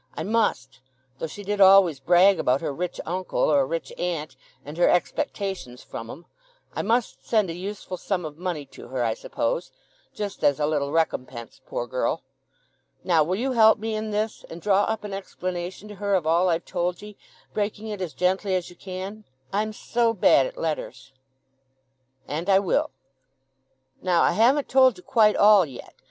I must—though she did always brag about her rich uncle or rich aunt, and her expectations from 'em—I must send a useful sum of money to her, I suppose—just as a little recompense, poor girl.... Now, will you help me in this, and draw up an explanation to her of all I've told ye, breaking it as gently as you can? I'm so bad at letters." "And I will." "Now, I haven't told you quite all yet.